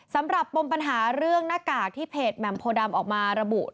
ปมปัญหาเรื่องหน้ากากที่เพจแหม่มโพดำออกมาระบุ